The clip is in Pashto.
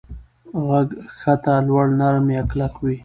غږ کښته، لوړ، نرم یا کلک وي.